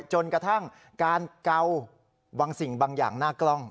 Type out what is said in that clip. จนกระทั่งการเกาบางสิ่งบางอย่างหน้ากล้อง